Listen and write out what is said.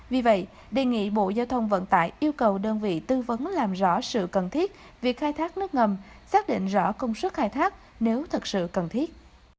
vì vậy đề nghị bộ giao thông vận tải yêu cầu đơn vị tư vấn làm rõ sự cần thiết việc khai thác nước ngầm xác định rõ công suất khai thác nếu thật sự cần thiết